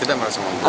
tidak merasa membuat